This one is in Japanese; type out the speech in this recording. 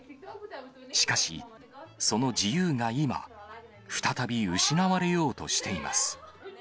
しかし、その自由が今、再び失われようとしています。